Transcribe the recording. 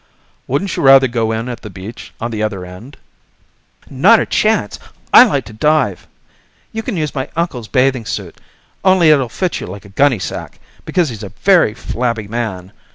"Wouldn't you rather go in at the beach on the other end?" "Not a chance. I like to dive. You can use my uncle's bathing suit, only it'll fit you like a gunny sack, because he's a very flabby man.